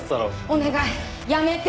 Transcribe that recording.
お願いやめて！